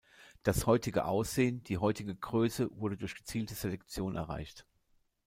Das heutige Aussehen, die heutige Größe wurde durch gezielte Selektion erreicht.